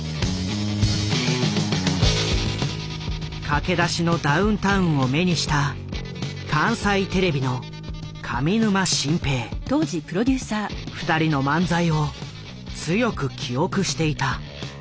駆け出しのダウンタウンを目にした二人の漫才を強く記憶していた。